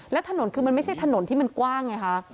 แล้วถนนคือมันไม่ใช่ถนนที่มันกว้างไงคะ